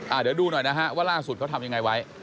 เดี๋ยวดูหน่อยนะฮะว่าล่าสุดเขาทำยังไงไว้